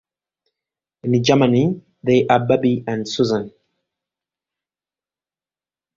In Germany, they are Barbie and Susan.